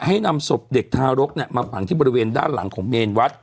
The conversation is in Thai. ให้นำศพเด็กทารกมาฝังที่บริเวณด้านหลังของเมนวัด